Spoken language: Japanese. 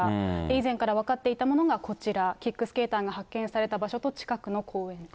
以前から分かっていたものがこちら、キックスケーターが発見された場所と近くの公園。